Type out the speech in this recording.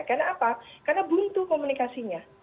karena apa karena butuh komunikasinya